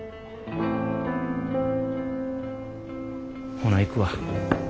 ほな行くわ。